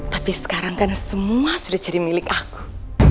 tapi sekarang kan semua sudah jadi milik aku